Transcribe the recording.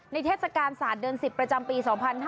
เทศกาลศาสตร์เดือน๑๐ประจำปี๒๕๕๙